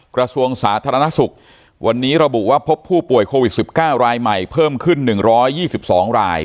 กระทรวงสาธารณสุขวันนี้ระบุว่าพบผู้ป่วยโควิดสิบเก้ารายใหม่เพิ่มขึ้นหนึ่งร้อยยี่สิบสองราย